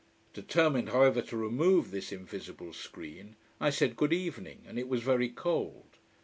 Determined however, to remove this invisible screen, I said Good evening, and it was very cold.